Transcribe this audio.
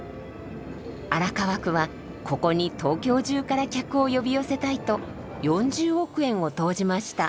荒川区はここに東京中から客を呼び寄せたいと４０億円を投じました。